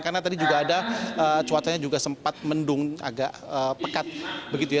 karena tadi juga ada cuacanya juga sempat mendung agak pekat begitu ya